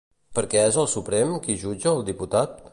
Per què és el Suprem qui jutja el diputat?